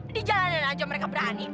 di jalanan aja mereka berani